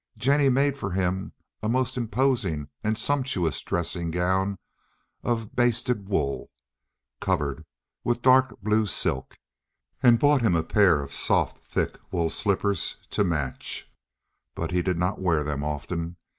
Jennie made for him a most imposing and sumptuous dressing gown of basted wool, covered with dark blue silk, and bought him a pair of soft, thick, wool slippers to match, but he did not wear them often.